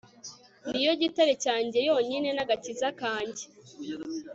Ni yo gitare cyanjye yonyine n agakiza kanjye